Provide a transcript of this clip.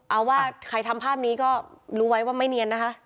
เอาว่าใครทำภาพนี้ก็รู้ไว้ว่าไม่เนียนนะคะ